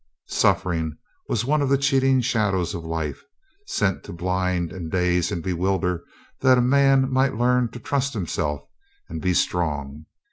Suffering was one of the cheating shadows of life, sent to blind and daze and bewilder that a man might learn to trust himself and be strong.